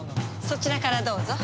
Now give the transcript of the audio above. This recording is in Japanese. そちらからどうぞ。